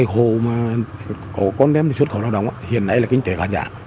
hồ mà con đem xuất khẩu lao động hiện nay là kinh tế khả giả